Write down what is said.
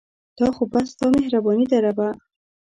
دا خو بس ستا مهرباني ده ربه